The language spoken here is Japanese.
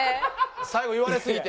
最後言われすぎて。